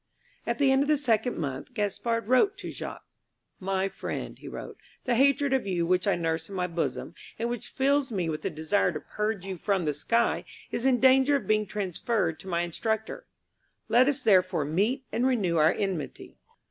At the end of the second month Gaspard wrote to Jacques. "My friend," he wrote, "the hatred of you which I nurse in my bosom, and which fills me with the desire to purge you from the sky, is in danger of being transferred to my instructor. Let us therefore meet and renew our enmity."